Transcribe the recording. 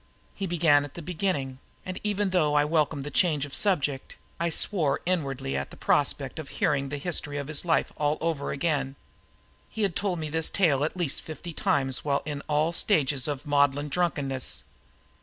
He began at the beginning, and, even though I welcomed the change of subject, I swore inwardly at the prospect of hearing the history of his life all over again. He had told me this tale at least fifty times while in all stages of maudlin drunkenness.